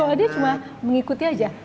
kalau dia cuma mengikuti saja